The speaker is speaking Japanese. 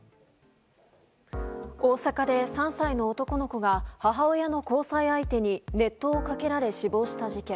大阪で３歳の男の子が母親の交際相手に熱湯をかけられ死亡した事件。